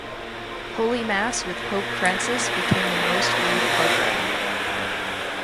Holy Mass with Pope Francis became the most viewed program.